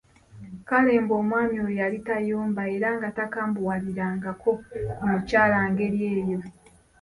Kale mbu omwami oyo yali tayomba era nga takambuwalirangako ku mukyala ng'eri eyo !